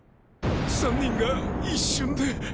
三人が一瞬で！